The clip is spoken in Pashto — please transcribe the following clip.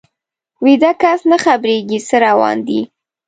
ویده کس نه خبریږي څه روان دي